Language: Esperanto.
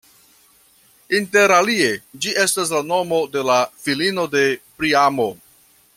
Interalie ĝi estas la nomo de la filino de Priamo.